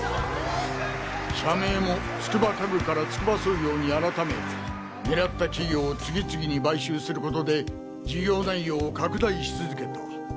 社名もツクバ家具からツクバ総業に改め狙った企業を次々に買収することで事業内容を拡大し続けた。